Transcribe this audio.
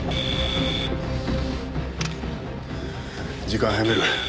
時間を早める。